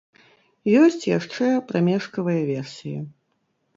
Ёсць яшчэ прамежкавыя версіі.